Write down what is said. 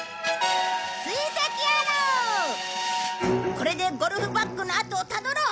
これでゴルフバッグの後をたどろう！